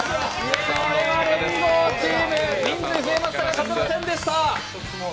これは連合チーム人数増えましたが勝てませんでした。